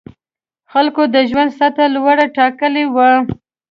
خلکو د ژوند سطح لوړه ټاکلې وه.